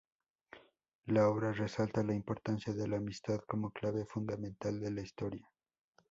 La obra resalta la importancia de la amistad como clave fundamental de la historia.